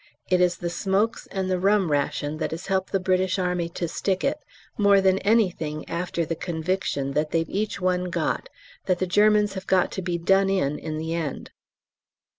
It is the smokes and the rum ration that has helped the British Army to stick it more than anything, after the conviction that they've each one got that the Germans have got to be "done in" in the end.